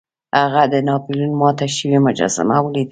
هغه د ناپلیون ماته شوې مجسمه ولیده.